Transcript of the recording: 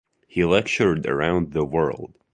He lectured around the world.